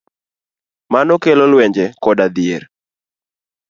Mano kelo lwenje koda dhier